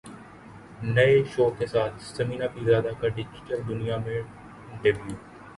نئے شو کے ساتھ ثمینہ پیرزادہ کا ڈیجیٹل دنیا میں ڈیبیو